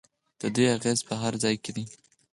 د دوی اغیز په هر ځای کې دی.